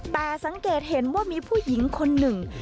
แต่สังเกตเห็นว่ามีผู้หญิงคนหนึ่ง